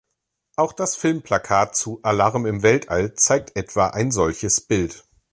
Auch das Filmplakat zu "Alarm im Weltall" zeigt etwa ein solches Bild.